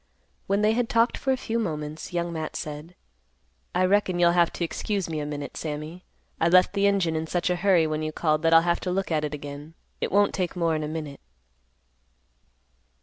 When they had talked for a few moments, Young Matt said, "I reckon you'll have to excuse me a minute, Sammy; I left the engine in such a hurry when you called that I'll have to look at it again. It won't take more'n a minute."